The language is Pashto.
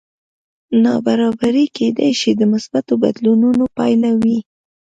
نابرابري کېدی شي د مثبتو بدلونونو پایله وي